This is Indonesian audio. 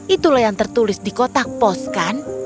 itulah yang tertulis di kotak pos kan